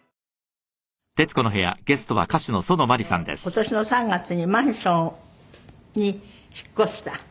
生活が一変して今年の３月にマンションに引っ越した？